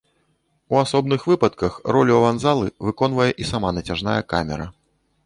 У асобных выпадках ролю аванзалы выконвае і сама нацяжная камера.